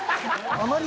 あまり。